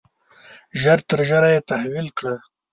ژر تر ژره یې تحویل کړه.